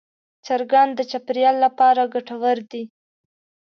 چرګان د چاپېریال لپاره ګټور دي.